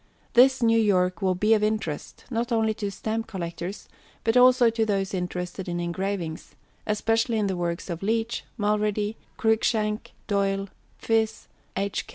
This New Work will be of interest, not only to Stamp Collectors, but also to those interested in Engravings especially in the works of LEECH, MULREADY, CRUIKSHANK, DOYLE, PHIZ (H.